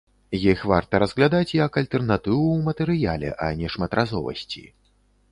Іх варта разглядаць як альтэрнатыву ў матэрыяле, а не шматразовасці.